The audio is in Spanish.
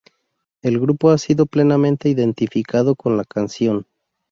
El grupo ha sido plenamente identificado con la canción.